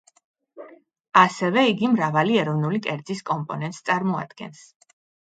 ასევე, იგი მრავალი ეროვნული კერძის კომპონენტს წარმოადგენს.